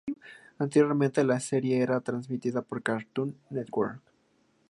Anteriormente, la serie era transmitida por Cartoon Network.